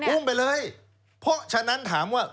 อุ้มไปเลยเพราะฉะนั้นถามว่า